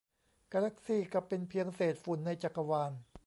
กาแลกซี่ก็เป็นเพียงเศษฝุ่นในจักรวาล